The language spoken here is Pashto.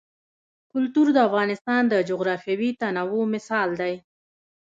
کلتور د افغانستان د جغرافیوي تنوع مثال دی.